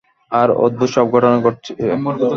আর উদ্ভুট সব ঘটনা ঘটছে।